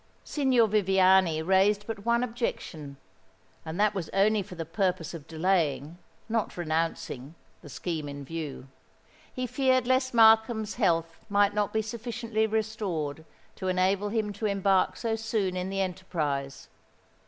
Signor Viviani raised but one objection; and that was only for the purpose of delaying, not renouncing, the scheme in view. He feared lest Markham's health might not be sufficiently restored to enable him to embark so soon in the enterprise.